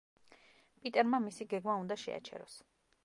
პიტერმა მისი გეგმა უნდა შეაჩეროს.